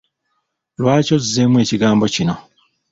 Lwaki ozzeemu ekigambo kino?